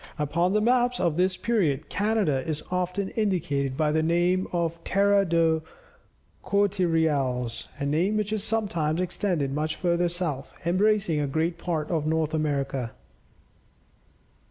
Upon the maps of this period, Canada is often indicated by the name of Terra dos Cortereales, a name which is sometimes extended much further south, embracing a great part of North America.